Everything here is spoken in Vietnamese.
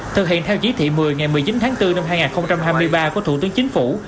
thực hiện theo chí thị một mươi ngày một mươi chín tháng bốn năm hai nghìn hai mươi ba của thủ tướng chính phủ